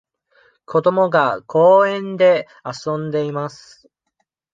子どもが公園で遊んでいます。